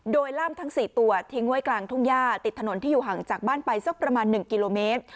โดยล่ามทั้ง๔ตัวทิ้งไว้กลางทุ่งย่าติดถนนที่อยู่ห่างจากบ้านไปสักประมาณ๑กิโลเมตร